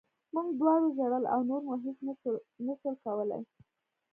موږ دواړو ژړل او نور مو هېڅ نه شول کولی